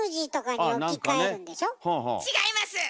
違います！